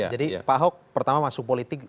jadi pak ahok pertama masuk politik